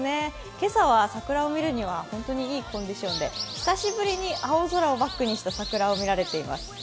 今朝は桜を見るには本当にいいコンディションで久しぶりに青空をバックにした桜を見られています。